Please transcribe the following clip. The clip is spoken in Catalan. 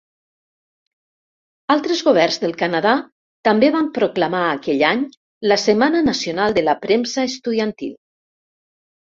Altres governs del Canadà també van proclamar aquell any la Setmana Nacional de la Premsa Estudiantil.